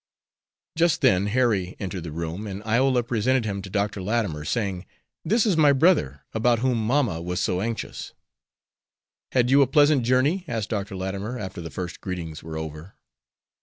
Just then Harry entered the room, and Iola presented him to Dr. Latimer, saying, "This is my brother, about whom mamma was so anxious." "Had you a pleasant journey?" asked Dr. Latimer, after the first greetings were over.